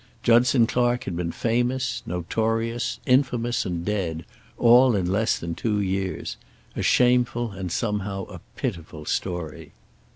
Judson Clark had been famous, notorious, infamous and dead, all in less than two years. A shameful and somehow a pitiful story.